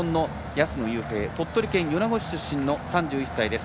鳥取県米子市出身の３１歳の安野です。